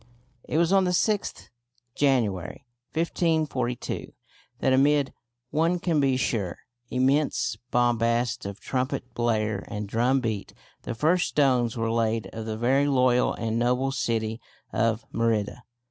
It was on the 6th January, 1542, that amid one can be sure immense bombast of trumpet blare and drum beat the first stones were laid of the "Very Loyal and Noble City of Merida."